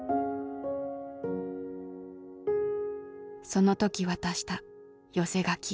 その時渡した寄せ書き。